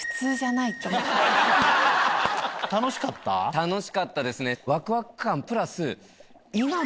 楽しかったですね。